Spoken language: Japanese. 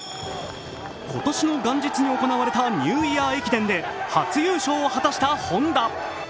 今年の元日に行われたニューイヤー駅伝で初優勝を果たしたホンダ。